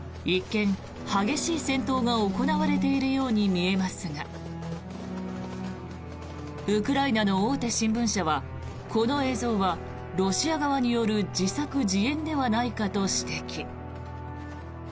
一見、激しい戦闘が行われているように見えますがウクライナの大手新聞社はこの映像はロシア側による自作自演ではないかと指摘。